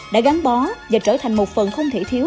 đã gắn bó và trở thành một phần không thể thiếu